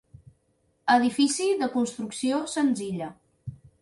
Edifici de construcció senzilla.